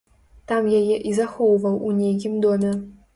Там яе і захоўваў у нейкім доме.